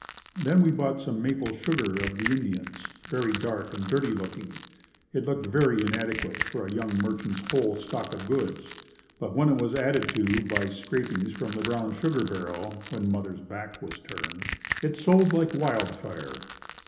Then we bought some maple sugar of the Indians very dark and dirty looking. It looked very inadequate for a young merchant's whole stock of goods, but when it was added to by scrapings from the brown sugar barrel, when mother's back was turned, it sold like wild fire.